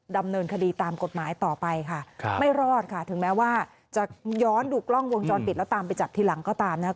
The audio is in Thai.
ดำเนินคดีตามกฎหมายต่อไปค่ะไม่รอดค่ะถึงแม้ว่าจะย้อนดูกล้องวงจรปิดแล้วตามไปจับทีหลังก็ตามนะครับ